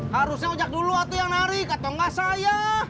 harusnya ojak dulu atau yang narik atau enggak saya